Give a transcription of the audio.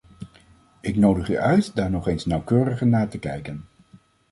Ik nodig u uit daar nog eens nauwkeuriger naar te kijken.